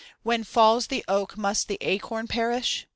When falls the oak must the acorn perish?